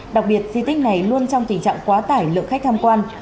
đặc biệt di tích này luôn trong tình trạng quá tải lượng khách tham quan